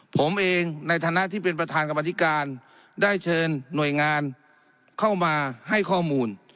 ผมเองในฐานะที่เป็นประธานกรรมธิการได้เชิญหน่วยงานเข้ามาให้ข้อมูล